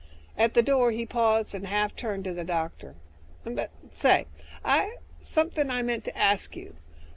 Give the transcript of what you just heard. At the door he paused and half turned to the doctor, "But say ... something I meant to ask you.